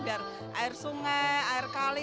biar air sungai air kali